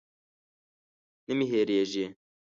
نه مې هېرېږي.